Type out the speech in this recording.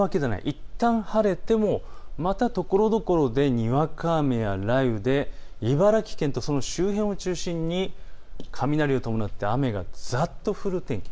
いったん晴れてもまたところどころでにわか雨や雷雨で茨城県とその周辺を中心に雷を伴って雨がざっと降る天気。